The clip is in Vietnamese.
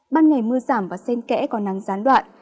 ban ngày mưa giảm và sen kẽ có nắng gián đoạn